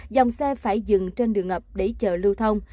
dòng xe phải dừng trên đường ngập để chờ lưu thông